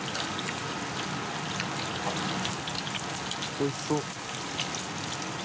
おいしそう。